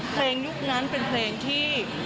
ยุคนั้นเป็นเพลงที่